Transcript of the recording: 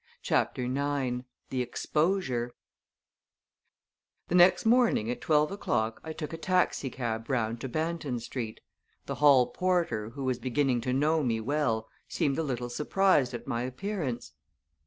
CHAPTER IX THE EXPOSURE The next morning at twelve o'clock I took a taxi cab round to Banton Street. The hall porter, who was beginning to know me well, seemed a little surprised at my appearance.